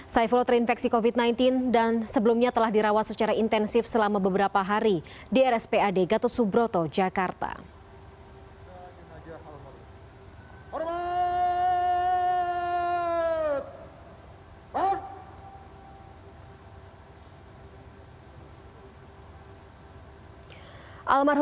saifullah terinfeksi covid sembilan belas dan sebelumnya telah dirawat secara intensif selama beberapa hari di rspad gatot subroto jakarta